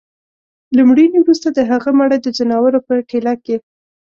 له مړيني وروسته د هغه مړى د ځناورو په ټېله کي